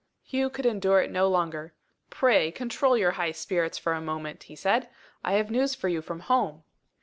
Hugh could endure it no longer. "Pray control your high spirits for a moment," he said. "I have news for you from home."